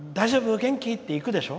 元気？って行くでしょ。